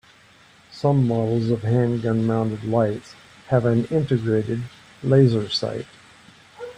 Some models of handgun-mounted lights have an integrated laser sight.